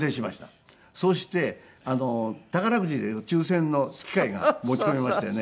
そして宝くじでいう抽選の機械が持ち込まれましてね